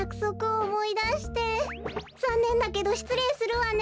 ざんねんだけどしつれいするわね。